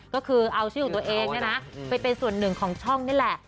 ก็คือเอาชื่อของตัวเองไปเป็นส่วนหนึ่งของช่องนี่แหละ